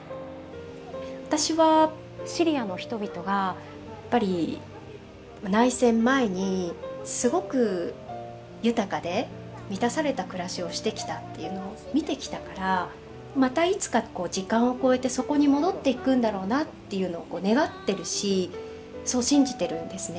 私はシリアの人々がやっぱり内戦前にすごく豊かで満たされた暮らしをしてきたっていうのを見てきたからまたいつか時間を超えてそこに戻っていくんだろうなっていうのを願ってるしそう信じてるんですね。